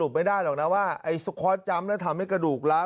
สลบไม่ได้หรอกนะว่าไอแล้วทำให้กระดูกล้า